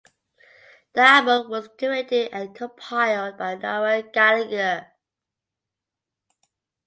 The album was curated and compiled by Noel Gallagher.